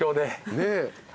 ねえ。